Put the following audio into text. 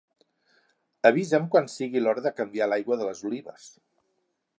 Avisa'm quan sigui l'hora de canviar l'aigua de les olives.